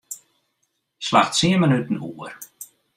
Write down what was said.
Slach tsien minuten oer.